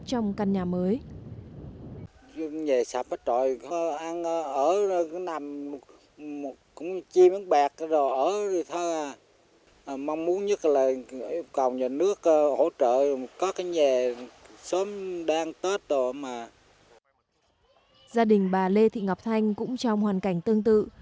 trong căn nhà mới gia đình bà lê thị ngọc thanh cũng trong hoàn cảnh tương tự